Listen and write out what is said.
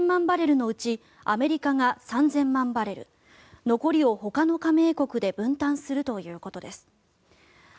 バレルのうちアメリカが３０００万バレル残りをほかの加盟国で分担するということです。